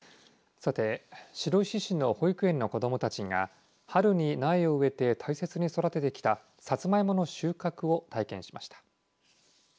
さて白石市の保育園の子どもたちが春に苗を植えて大切に育ててきたさつまいもの収穫を体験しました。